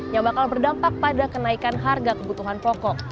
yang bakal berdampak pada kenaikan harga kebutuhan pokok